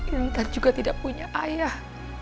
inter juga tidak punya ayah